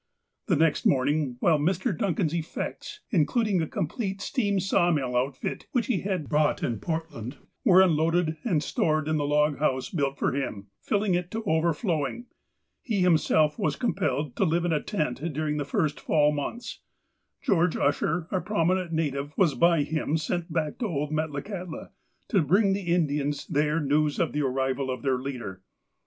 The next morning, while Mr. Duncan's effects, includ ing a complete steam sawmill outfit, which he had bought in Portland, were unloaded and stored in the log house built for him, filling it to overflowing, he him self was compelled to live in a tent during the first Fall mouths, George Usher, a prominent native, was by him sent back to old Metlakahtla to bring the Indians there news of the arrival of their leader.